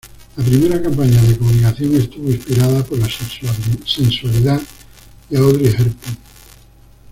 La primera campaña de comunicación estuvo inspirada por la sensualidad de Audrey Hepburn.